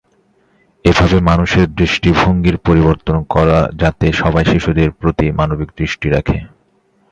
এভাবে মানুষের দৃষ্টিভঙ্গির পরিবর্তন করা যাতে সবাই শিশুদের প্রতি মানবিক দৃষ্টি রাখে।